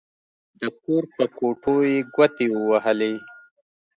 د کور په کوټو يې ګوتې ووهلې.